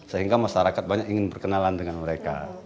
sehingga masyarakat banyak ingin berkenalan dengan mereka